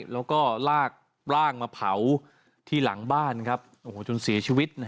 แล้วก็ลากร่างมาเผาที่หลังบ้านจนเสียชีวิต